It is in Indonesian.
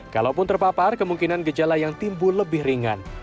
kalaupun terpapar kemungkinan gejala yang timbul lebih ringan